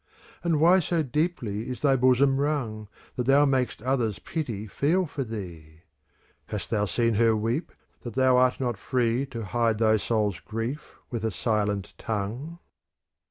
And why so deeply is thy bosom wrung, ® That thou mak'st others pity feel for thee ? Hast thou seen her weep, that thou art not free To hide thy soul's grief with a silent tongue